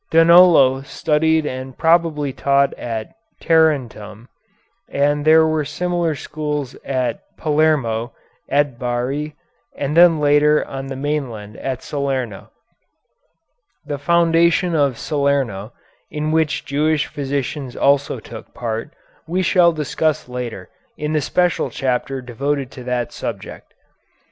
Donolo studied and probably taught at Tarentum, and there were similar schools at Palermo, at Bari, and then later on the mainland at Salerno. The foundation of Salerno, in which Jewish physicians also took part, we shall discuss later in the special chapter devoted to that subject.